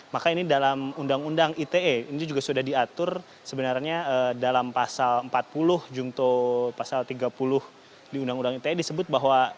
maka ini dalam undang undang ite ini juga sudah diatur sebenarnya dalam pasal empat puluh jungto pasal tiga puluh di undang undang ite disebut bahwa